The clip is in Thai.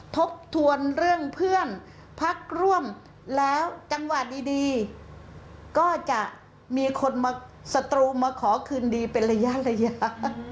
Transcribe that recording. ทบทวนเรื่องเพื่อนพักร่วมแล้วจังหวะดีก็จะมีคนมาสตรูมาขอคืนดีเป็นระยะ